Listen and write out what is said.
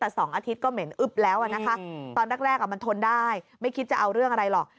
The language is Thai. แต่๒อาทิตย์ก็เหม็นอึ๊บแล้วนะคะตอนแรกมันทนได้ไม่คิดจะเอาเรื่องอะไรหรอก